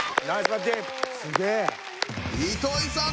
糸井さん